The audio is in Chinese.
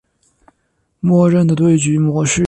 默认的对局模式。